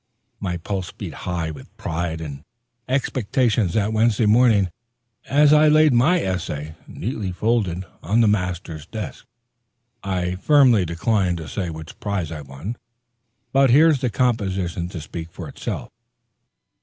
My pulse beat high with pride and expectation that Wednesday morning, as I laid my essay, neatly folded, on the master's table. I firmly decline to say which prize I won; but here's the composition to speak for itself.